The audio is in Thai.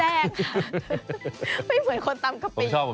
หมายความทรงชุดจะเหมือนคนตามกะปิ